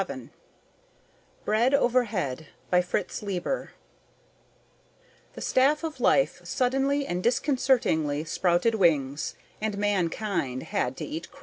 net Bread Overhead By FRITZ LEIBER _The Staff of Life suddenly and disconcertingly sprouted wings and mankind had to eat crow!